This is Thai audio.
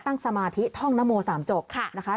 ตั้งสมาธิท่องนโมสามจกนะคะ